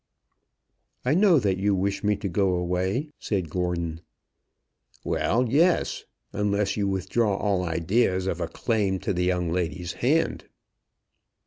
"I know that you wish me to go away," said Gordon. "Well, yes; unless you withdraw all idea of a claim to the young lady's hand."